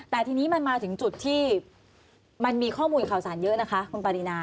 แต่ทีนี้มันมาถึงจุดที่มันมีข้อมูลข่าวสารเยอะนะคะคุณปารีนา